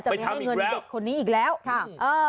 ไม่ให้เงินเด็กคนนี้อีกแล้วค่ะเออ